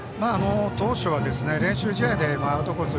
当初は練習試合でアウトコース